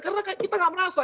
karena kita nggak merasa